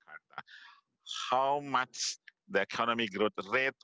pertanyaannya tentang masa depan